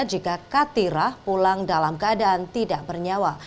jika katirah pulang dalam keadaan tidak bernyawa